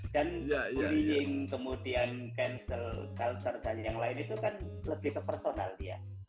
dan bullying kemudian cancel culture dan yang lain itu kan lebih ke personal dia